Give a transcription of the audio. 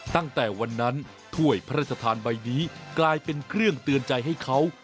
ตั้งแต่วันนั้นถ้วยพระราชทานใบนี้กลายเป็นเครื่องเตือนใจให้เขา